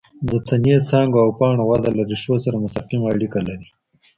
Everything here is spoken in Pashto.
د تنې، څانګو او پاڼو وده له ریښو سره مستقیمه اړیکه لري.